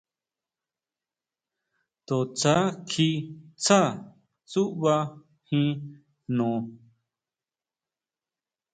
To tsja kjí tsá tsúʼba jín jno.